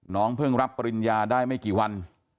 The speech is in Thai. เพิ่งรับปริญญาได้ไม่กี่วัน